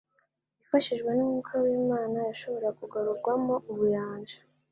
ifashijwe n'Umwuka w'Imana yashoboraga kugarurwamo ubuyanja